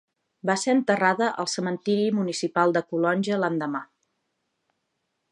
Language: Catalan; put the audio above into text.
Va ser enterrada al cementiri municipal de Calonge l'endemà.